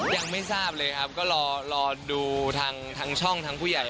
ยังไม่ทราบเลยครับก็รอดูทางช่องทางผู้ใหญ่